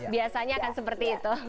biasanya akan seperti itu